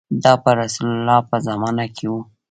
دا په رسول الله په زمانه کې و.